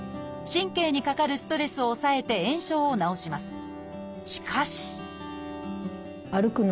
神経にかかるストレスを抑えて炎症を治します。